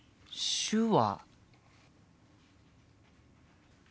手話。